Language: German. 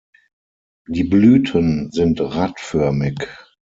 Die Blüten sind radförmig.